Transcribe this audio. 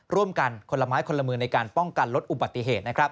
ร่วมกันคนละไม้คนละมือในการป้องกันลดอุบัติเหตุนะครับ